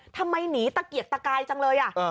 ทำไมหนีตะเกียร์ตะไก่จังเลยอ่ะอื้อ